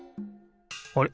あれ？